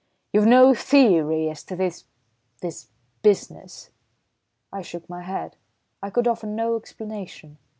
"You've no theory as to this this business?" I shook my head, I could offer no explanation.